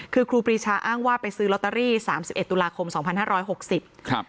คือครูปรีชาอ้างว่าไปซื้อลอตเตอรี่สามสิบเอ็ดตุลาคมสองพันห้าร้อยหกสิบครับ